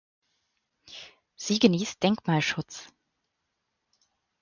Sie genießt Denkmalschutz.